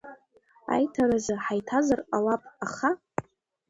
Аиҭаразы, ҳаиҭазар ҟалап, аха…